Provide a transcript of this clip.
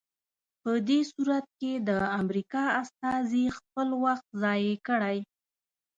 په دې صورت کې د امریکا استازي خپل وخت ضایع کړی.